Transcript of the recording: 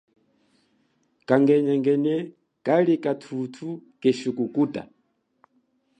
Kangenyingenyi kathuthu keshi kukuta.